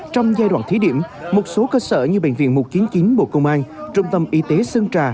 trong giai đoạn thí điểm một số cơ sở như bệnh viện một trăm chín mươi chín bộ công an trung tâm y tế sơn trà